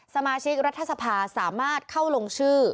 สมาชิกรัฐสภาสามารถเข้าลงชื่อ